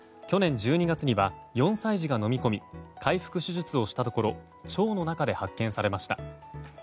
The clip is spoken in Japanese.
去年１２月には４歳児が飲み込み開腹手術をしたところ腸の中で発見されました。